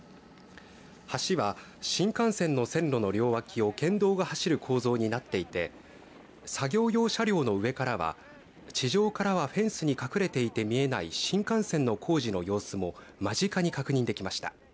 橋は、新幹線の線路の両脇を県道が走る構造になっていて作業用車両の上からは地上からはフェンスに隠れていて見えない新幹線の工事の様子も間近に確認できました。